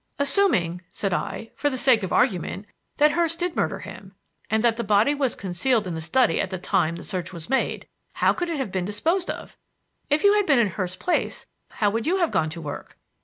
"Assuming," said I, "for the sake of argument, that Hurst did murder him and that the body was concealed in the study at the time the search was made. How could it have been disposed of? If you had been in Hurst's place, how would you have gone to work?"